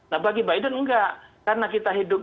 nah bagi biden enggak karena kita hidup